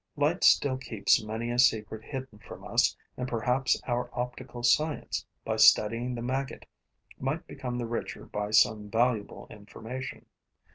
Light still keeps many a secret hidden from us and perhaps our optical science, by studying the maggot, might become the richer by some valuable information.